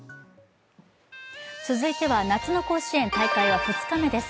続いては、夏の甲子園大会は２日目です。